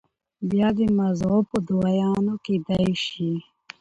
بيا د مزغو پۀ دوايانو کېدے شي